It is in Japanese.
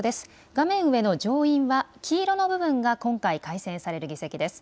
画面上の上院は黄色の部分が今回、改選される議席です。